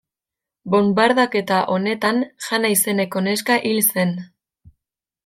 Bonbardaketa honetan Jana izeneko neska hil zen.